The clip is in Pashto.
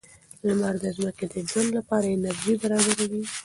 لمر د ځمکې د ژوند لپاره انرژي برابروي.